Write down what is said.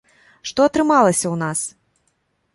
Што атрымалася ў нас?